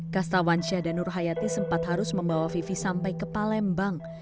kastawan syahdan nurhayati sempat harus membawa vivi sampai ke palembang